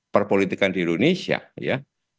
perpolitikan di indonesia ya